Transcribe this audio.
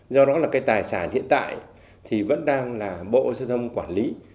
do đó là tài sản hiện tại vẫn đang là bộ giao thông quản lý